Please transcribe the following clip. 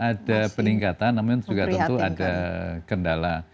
ada peningkatan namun juga tentu ada kendala